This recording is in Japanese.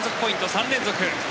３連続。